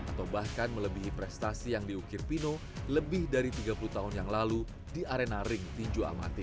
atau bahkan melebihi prestasi yang diukir pino lebih dari tiga puluh tahun yang lalu di arena ring tinju amatir